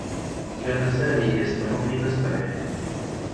كان سامي يسبح في مسبحه.